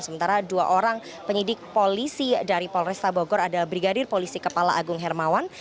sementara dua orang penyidik polisi dari polresta bogor ada brigadir polisi kepala agung hermawan